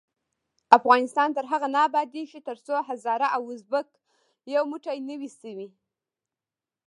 افغانستان تر هغو نه ابادیږي، ترڅو هزاره او ازبک یو موټی نه وي شوي.